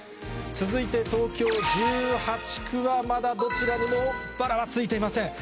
続いて東京１８区は、まだどちらにもバラはついていません。